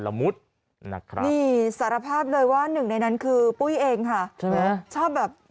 ละมุดนะครับสารภาพเลยว่าหนึ่งในนั้นคือปุ้ยเองค่ะชอบแบบ